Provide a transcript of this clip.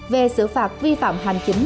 về xử phạt vi phạm hành chính